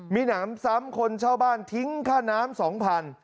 มีหนามซ้ำคนเช่าบ้านทิ้งค่าน้ำ๒๐๐บาท